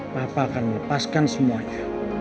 papa akan melepaskan semuanya